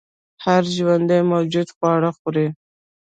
هر ژوندی موجود خواړه خوري